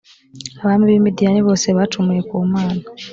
abami bi midiyani bose bacumuye ku mana